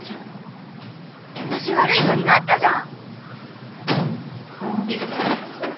私悪い子になったじゃん！